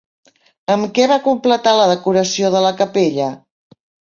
Amb què va completar la decoració de la capella?